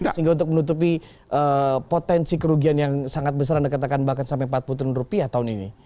sehingga untuk menutupi potensi kerugian yang sangat besar anda katakan bahkan sampai empat puluh triliun rupiah tahun ini